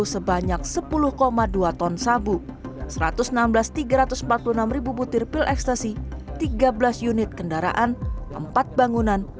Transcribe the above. sebanyak sepuluh dua ton sabu satu ratus enam belas tiga ratus empat puluh enam butir pil ekstasi tiga belas unit kendaraan empat bangunan